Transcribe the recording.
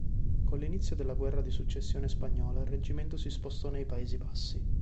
Con l'inizio della guerra di successione spagnola il reggimento si spostò nei Paesi Bassi.